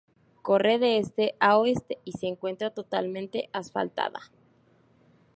Corre de este a oeste y se encuentra totalmente asfaltada.